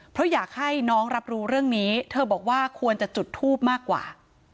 เพราะอยากให้น้องรับรู้เรื่องนี้เธอบอกว่าควรจะจุดทูบมากกว่า